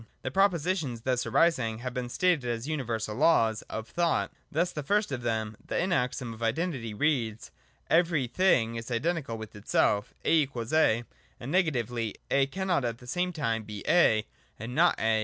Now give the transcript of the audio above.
The propositions thus arising have been stated as universal Laws of Thought. Thus the first of them, the maxim of Identity, reads : Every thing is identical with itself, A=A : and, negatively, A cannot at the same time be A and not A.